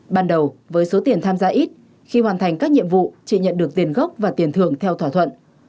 ban đầu với số tiền tham gia ít khi hoàn thành các nhiệm vụ chị nhận được tiền gốc và tiền thưởng theo thỏa thuận